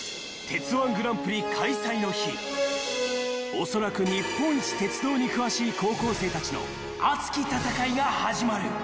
［おそらく日本一鉄道に詳しい高校生たちの熱き戦いが始まる］